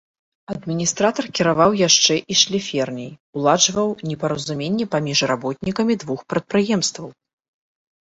Адміністратар кіраваў яшчэ і шліферняй, уладжваў непаразуменні паміж работнікамі двух прадпрыемстваў.